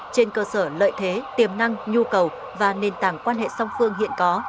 trên cơ sở lợi thế tiềm năng nhu cầu và nền tảng quan hệ song phương hiện có